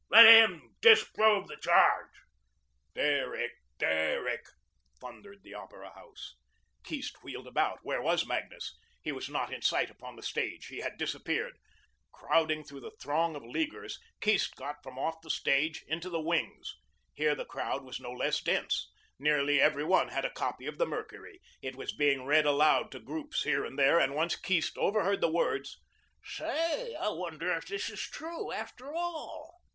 Let HIM DISPROVE the charge." "Derrick, Derrick," thundered the Opera House. Keast wheeled about. Where was Magnus? He was not in sight upon the stage. He had disappeared. Crowding through the throng of Leaguers, Keast got from off the stage into the wings. Here the crowd was no less dense. Nearly every one had a copy of the "Mercury." It was being read aloud to groups here and there, and once Keast overheard the words, "Say, I wonder if this is true, after all?"